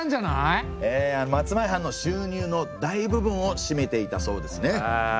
ええ松前藩の収入の大部分を占めていたそうですね。